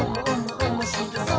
おもしろそう！」